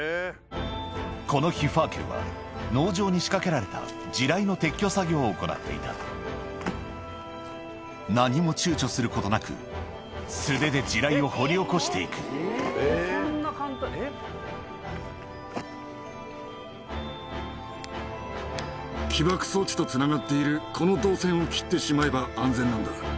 この日ファーケルは農場に仕掛けられた地雷の撤去作業を行っていた何もちゅうちょすることなく素手で地雷を掘り起こして行く起爆装置とつながっているこの導線を切ってしまえば安全なんだ。